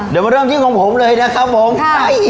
เดี๋ยวมาเริ่มที่ของผมเลยนะครับผม